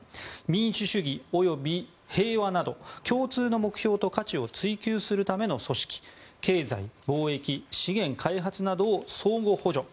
民主主義及び平和など共通の目標と価値を追求するための組織経済、貿易、資源開発などを相互補助